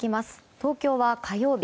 東京は火曜日